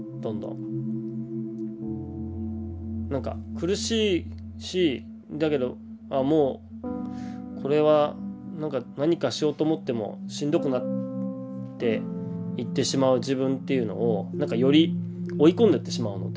苦しいしだけどもうこれは何かしようと思ってもしんどくなっていってしまう自分っていうのをなんかより追い込んでいってしまうので。